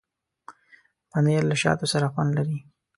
پنېر له شاتو سره خوند لري.